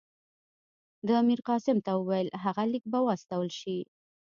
ده میرقاسم ته وویل هغه لیک به واستول شي.